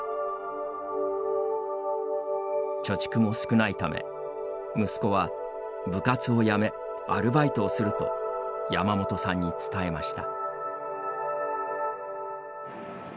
貯蓄も少ないため、息子は部活を辞め、アルバイトをすると山本さんに伝えました。